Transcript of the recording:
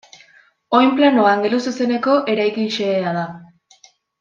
Oin-plano angeluzuzeneko eraikin xehea da.